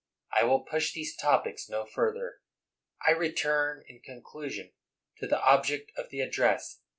I will push these topics no further. I return, in conclusion, to the object of the address.